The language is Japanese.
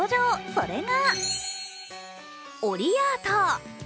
それがオリアート。